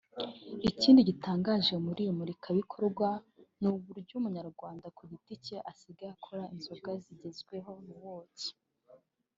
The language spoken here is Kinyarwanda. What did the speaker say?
Ikindi gitangaje muri iri murikabikorwa ni uburyo umunyarwanda ku giti cye asigaye akora inzoga zigezweho (Liqueur) mu buki